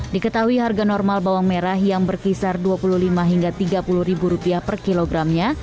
diketahui harga normal bawang merah yang berkisar dua puluh lima hingga rp tiga puluh per kilogramnya